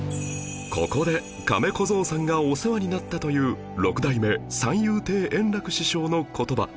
ここでカメ小僧さんがお世話になったという六代目三遊亭円楽師匠の言葉